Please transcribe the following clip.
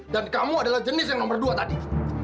dan kamu adalah jenis yang nomor dua tadi